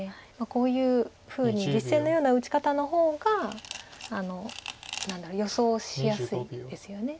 こういうふうに実戦のような打ち方のほうがあの何だろう予想しやすいですよね